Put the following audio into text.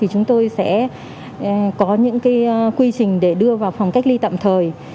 chúng tôi sẽ có những quy trình để đưa vào phòng cách ly tạm thời